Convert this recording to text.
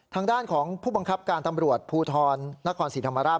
ทางด้านของผู้บังคับการตำรวจภูทรนครศรีธรรมราช